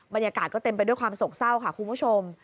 บรรยากาศก็เต็มไปด้วยความโศกเศร้าค่ะคุณผู้ชม